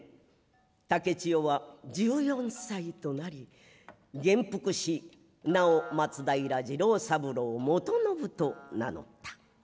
竹千代は十四歳となり元服し名を松平次郎三郎元信と名乗った。